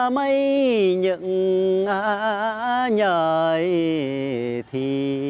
xãi hẹn mấy những nhợi thi